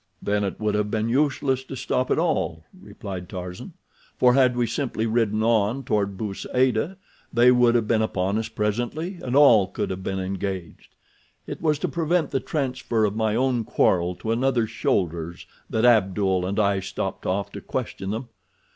"Then it would have been useless to stop at all," replied Tarzan, "for had we simply ridden on toward Bou Saada they would have been upon us presently, and all could have been engaged. It was to prevent the transfer of my own quarrel to another's shoulders that Abdul and I stopped off to question them.